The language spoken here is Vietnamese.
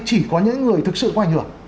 chỉ có những người thực sự có ảnh hưởng